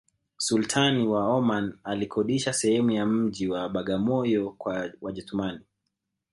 sultani wa oman alikodisha sehemu ya mji wa bagamoyo kwa wajetumani